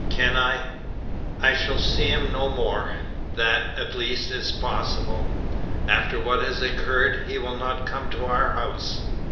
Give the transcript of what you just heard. Can I?" "I shall see him no more. That, at least, is possible. After what has occurred, he will not come to our house.